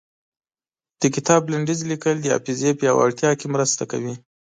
د کتاب لنډيز ليکل د حافظې پياوړتيا کې مرسته کوي.